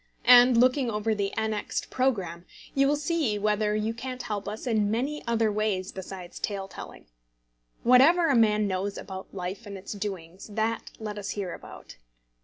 And looking over the annexed programme, you will see whether you can't help us in many other ways besides tale telling. Whatever a man knows about life and its doings, that let us hear about.